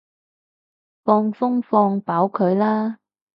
放風放飽佢啦